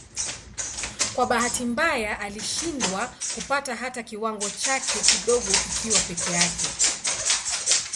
Kwa bahati mbaya alishindwa kupata hata kiwango chake kidogo kikiwa peke yake.